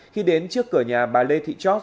khi đến trước cửa nhà bà lê thị chót